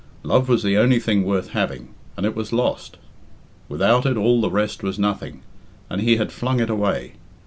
Love was the only thing worth having, and it was lost. Without it all the rest was nothing, and he had flung it away.